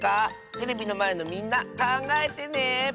テレビのまえのみんなかんがえてね！